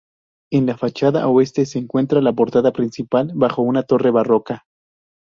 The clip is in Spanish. En la fachada oeste se encuentra la portada principal, bajo una torre barroca.